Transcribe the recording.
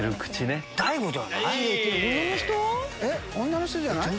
女の人じゃない？